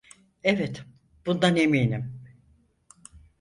Evet, bundan eminim.